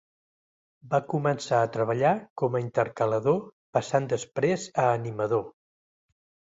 Va començar a treballar com a intercalador passant després a animador.